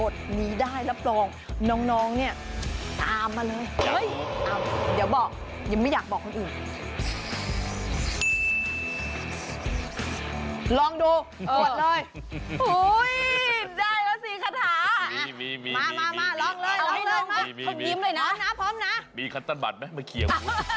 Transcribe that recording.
เข้านิ้มเลยนะนะพร้อมนะมีคันต้อนบัตรไหมมาเหลียก